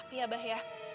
tapi ya baah ya